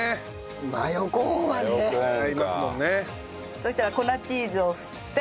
そしたら粉チーズを振って。